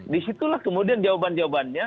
disitulah kemudian jawaban jawabannya